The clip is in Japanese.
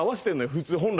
普通、本来。